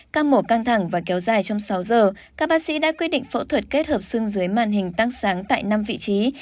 ca mổ căng thẳng và kéo dài trong sáu giờ các bác sĩ đã quyết định phẫu thuật kết hợp xương dưới màn hình tăng sáng tại năm vị trí